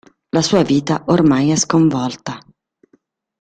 La sua vita ormai è sconvolta.